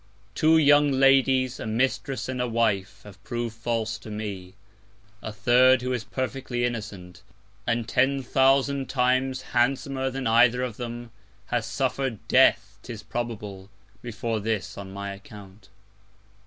Two young Ladies, a Mistress, and a Wife, have prov'd false to me; a third, who is perfectly innocent, and ten thousand Times handsomer than either of them, has suffer'd Death, 'tis probable, before this, on my Account!